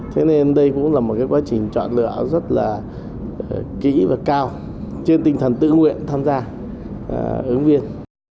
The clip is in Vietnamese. thế nên đây cũng là một cái quá trình chọn lựa rất là kỹ và cao trên tinh thần tự nguyện tham gia ứng viên